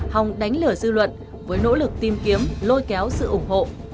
hòng đánh lửa dư luận với nỗ lực tìm kiếm lôi kéo sự ủng hộ